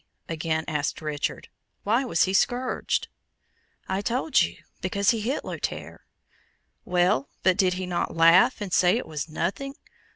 again asked Richard "why was he scourged?" "I told you, because he hit Lothaire." "Well, but did he not laugh, and say it was nothing?